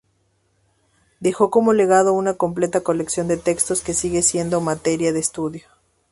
Dejó como legado una completa colección de textos que siguen siendo materia de estudio.